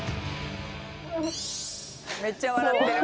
めっちゃ笑ってる。